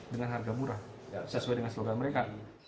dengan harga murah sesuai dengan slogan mereka